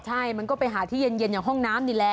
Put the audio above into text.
ใช่มันก็ไปหาที่เย็นอย่างห้องน้ำนี่แหละ